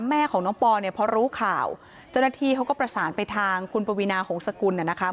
แม่ของน้องปอเนี่ยพอรู้ข่าวเจ้าหน้าที่เขาก็ประสานไปทางคุณปวีนาหงษกุลน่ะนะคะ